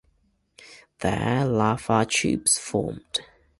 There lava tubes formed.